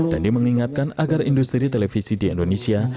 dandi mengingatkan agar industri televisi di indonesia